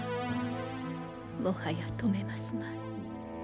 もはや止めますまい。